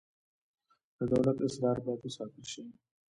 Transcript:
د دولت اسرار باید وساتل شي